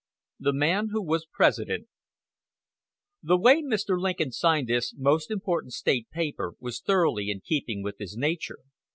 X. THE MAN WHO WAS PRESIDENT The way Mr. Lincoln signed this most important state paper was thoroughly in keeping with his nature.